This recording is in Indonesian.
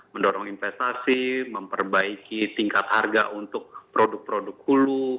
mendorong investasi memperbaiki tingkat harga untuk produk produk hulu